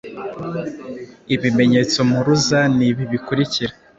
ibimenyetso mpuruza nibi bikurikira